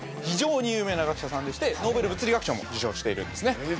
非常に有名な学者さんでしてノーベル物理学賞も受賞しているんですね